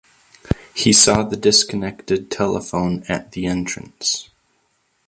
He saw the disconnected telephone at the entrance.